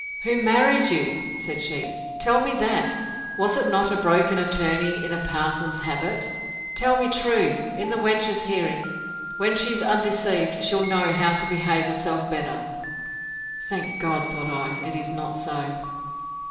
Who married you? said she: tell me that! Was it not a broken attorney in a parson's habit? Tell me truly, in the wench's hearing. When she's undeceived, she'll know how to behave herself better! Thank God, thought I, it is not so.